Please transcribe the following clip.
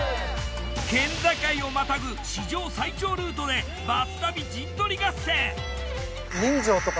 県境をまたぐ史上最長ルートでバス旅陣取り合戦。